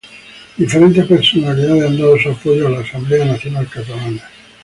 Diferentes personalidades han dado su apoyo a la Asamblea Nacional Catalana.